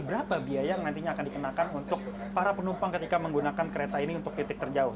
berapa biaya yang nantinya akan dikenakan untuk para penumpang ketika menggunakan kereta ini untuk titik terjauh